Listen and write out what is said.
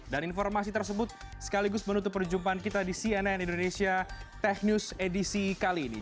dan informasi tersebut sekaligus menutup perjumpaan kita di cnn indonesia tech news edisi kali ini